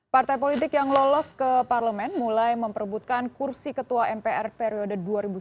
partai politik yang lolos ke parlemen mulai memperebutkan kursi ketua mpr periode dua ribu sembilan belas dua ribu dua